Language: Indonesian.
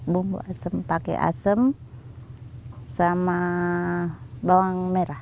bumbu asam pakai asam sama bawang merah